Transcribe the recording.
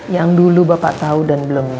yang dulu bapak tahu dan belum